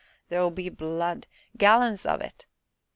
there'll be blood gallons of it!"